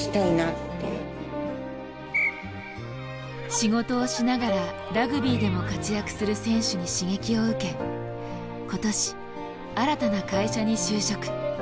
仕事をしながらラグビーでも活躍する選手に刺激を受け今年新たな会社に就職。